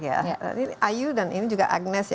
ini ayu dan ini juga agnez